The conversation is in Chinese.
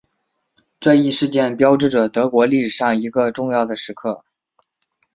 这一事件标志着德国历史上一个重要的时刻。